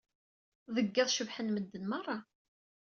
Deg yiḍ cebḥen medden merra.